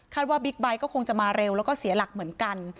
ว่าบิ๊กไบท์ก็คงจะมาเร็วแล้วก็เสียหลักเหมือนกัน